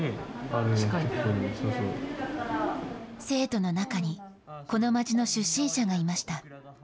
生徒の中に、この町の出身者がいました。